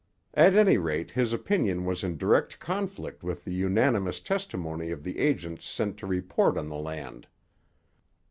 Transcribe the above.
At any rate his opinion was in direct conflict with the unanimous testimony of the agents sent to report on the land.